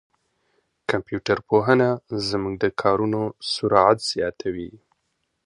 کمپيوټر پوهنه زموږ د کارونو سرعت زیاتوي.